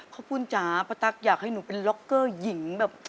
ข้าพูดจ้าปะตั๊กอยากให้หนูเป็นล็อกเกอร์หญิง